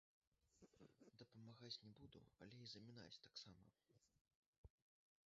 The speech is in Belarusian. Дапамагаць не буду, але і замінаць таксама.